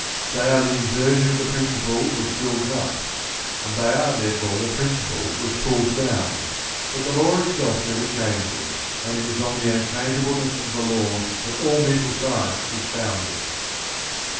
They are the inversion of the principle which builds up, and they are therefore the principle which pulls down; but the Law itself never changes, and it is on the unchangeableness of the law that all Mental Science is founded.